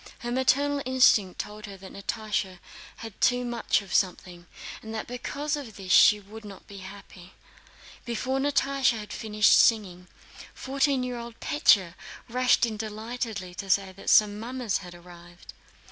Her maternal instinct told her that Natásha had too much of something, and that because of this she would not be happy. Before Natásha had finished singing, fourteen year old Pétya rushed in delightedly, to say that some mummers had arrived.